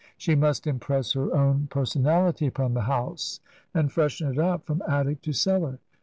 She must impress her own per sonality upon the house and freshen it up from attic to cellar.